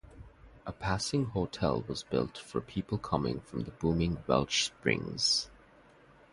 A passing hotel was built for people coming from the booming Welch Springs.